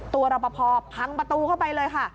ตัวรอปภพังประตูเข้าไปเลย